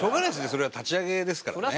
それは立ち上げですからね。